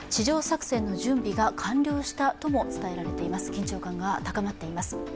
緊張感が高まっています。